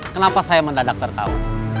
kenapa saya mendadak tertawa